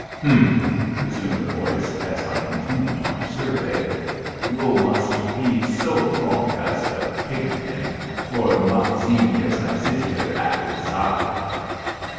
"Humph!" resumed the voice as I continued my survey, "you mus pe so dronk as de pig den for not zee me as I zit here at your zide."